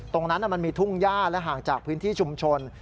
ตรงนั้นมันมีทุ่งย่าและห่างจากพื้นที่ชุมชน